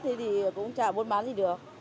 thì cũng chả buôn bán gì được